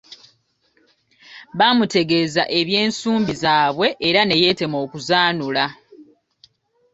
Baamutegeeza eby’ensumbi zaabwe era ne yeetema okuzanula.